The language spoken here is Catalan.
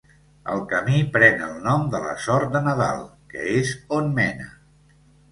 El camí pren el nom de la Sort de Nadal, que és on mena.